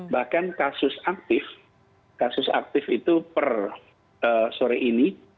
bahkan kasus aktif kasus aktif itu per sore ini